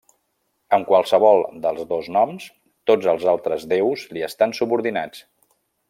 Amb qualsevol dels dos noms, tots els altres déus li estan subordinats.